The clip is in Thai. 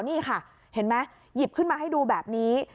นี่ค่ะเห็นไหมหยิบขึ้นมาให้ดูแบบนี้